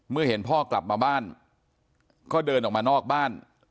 เห็นพ่อกลับมาบ้านก็เดินออกมานอกบ้าน